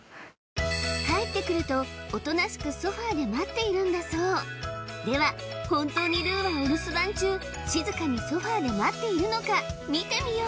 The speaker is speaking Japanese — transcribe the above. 帰ってくるとおとなしくソファで待っているんだそうでは本当にルウはお留守番中静かにソファで待っているのか見てみよう